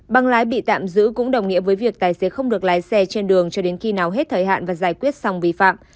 băng lái bị tạm giữ cũng đồng nghĩa với việc tài xế không được lái xe trên đường cho đến khi nào hết thời hạn và giải quyết xong vi phạm